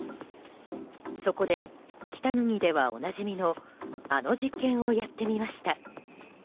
そこで北国ではおなじみのあの実験をやってみました。